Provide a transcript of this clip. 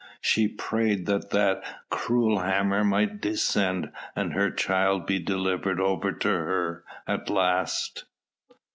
She prayed that that cruel hammer might descend and her child be delivered over to her at last.